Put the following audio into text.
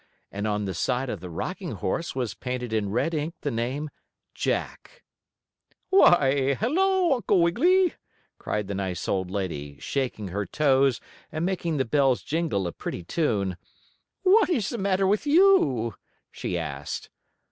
And on the side of the rocking horse was painted in red ink the name: JACK "Why, hello, Uncle Wiggily!" called the nice old lady, shaking her toes and making the bells jingle a pretty tune. "What is the matter with you?" she asked.